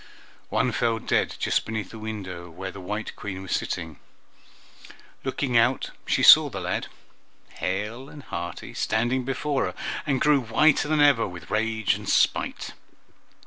One fell dead just beneath the window where the white Queen was sitting. Looking out, she saw the lad, hale and hearty, standing before her, and grew whiter than ever with rage and spite.